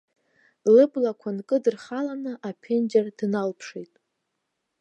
Лыблақәа нкыдырхаланы аԥенџьыр дналԥшит.